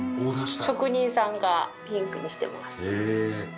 職人さんがピンクにしてます。